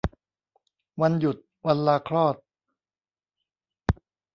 วันหยุด วันลาคลอด